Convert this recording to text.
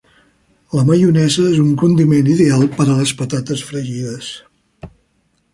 La maionesa és un condiment ideal per a les patates fregides.